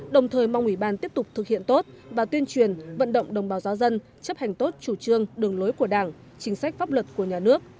đồng thời mong ủy ban tiếp tục thực hiện tốt và tuyên truyền vận động đồng bào giáo dân chấp hành tốt chủ trương đường lối của đảng chính sách pháp luật của nhà nước